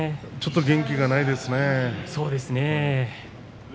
ちょっと元気がないですね。